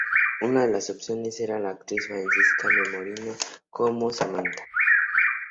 Una de las opciones era la actriz Francisca Merino como Samantha.